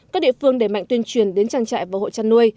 các địa phương đề mạnh tuyên truyền đến trang trại và hộ trăn nuôi